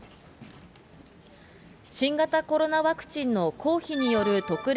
新型コロナワクチンの公費による特例